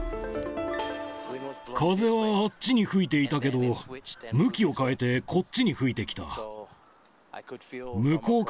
風はあっちに吹いていたけど、向きを変えて、こっちに吹いてきた。